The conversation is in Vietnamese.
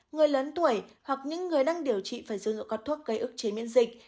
người lớn tuổi hoặc những người đang điều trị phải dùng dụng các thuốc gây ức chế miễn dịch